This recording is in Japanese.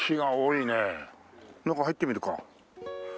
中入ってみるか。